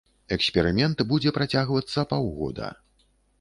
Эксперымент будзе працягвацца паўгода.